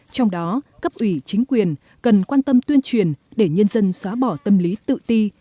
trong đó cấp ủy chính quyền cần quan tâm tuyên truyền để nhân dân xóa bỏ tâm lý tự ti